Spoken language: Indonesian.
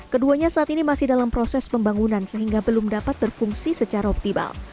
keduanya saat ini masih dalam proses pembangunan sehingga belum dapat berfungsi secara optimal